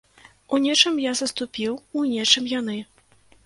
У нечым я саступіў, у нечым яны.